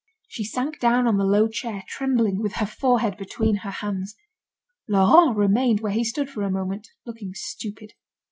She sank down on the low chair, trembling, with her forehead between her hands. Laurent remained where he stood for a moment, looking stupid.